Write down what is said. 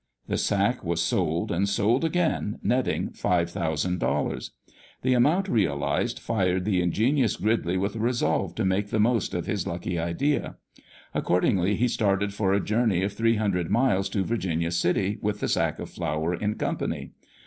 The sack was sold and sold again, netting five thousand dollars. The amount realised fired the ingenious Gridley with a resolve to make the most of his lucky idea. Accordingly he started for a journey of three hundred miles to Virginia city, with the sack of flour in company.